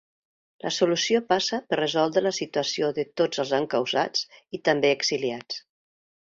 La solució passa per resoldre la situació de tots els encausats i també exiliats.